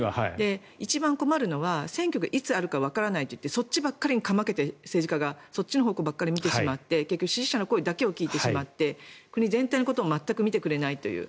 一番困るのは選挙がいつあるかわからないって言ってそっちばっかりにかまけてしまう政治家がそっちのほうばっかり見てしまって支持者の声ばかり聞いてしまって国全体のことを全く見てくれないという。